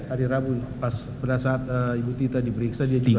hari rabu pada saat ibu tita diperiksa dia tiba